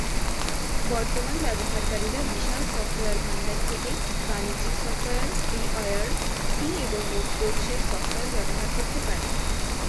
বর্তমানের ব্যবহারকারীরা বিশাল সফটওয়্যার ভান্ডার থেকে বাণিজ্যিক সফটওয়্যার, ফ্রী ওয়্যার, ফ্রী এবং মুক্ত উৎসের সফটওয়্যার ব্যবহার করতে পারে।